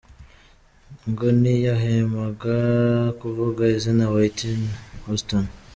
Ngo ntiyahwemaga kuvuga izina Whitney Houston.